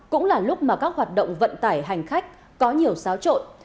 cũng là lúc mà các hoạt động vận tải hành khách có nhiều xáo trộn